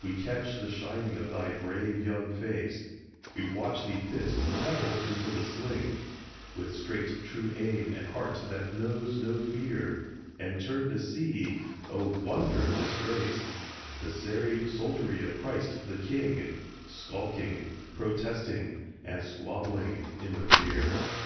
We catch the shining of thy brave young face, We watch thee fit the pebble to the sling With straight, true aim and heart that knows no fear, And turn to see, O wonder of disgrace, The serried soldiery of Christ the King Skulking, protesting, squabbling in the rear!